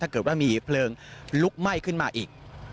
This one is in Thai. เกิดว่ามีเพลิงลุกไหม้ขึ้นมาอีก